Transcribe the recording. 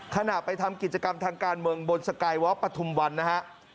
ขณะไปทำกิจกรรมทางการเมืองบนสกายวอล์ปฐุมวันนะฮะ